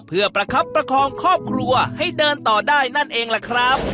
เพื่อประคับประคองครอบครัวให้เดินต่อได้นั่นเองล่ะครับ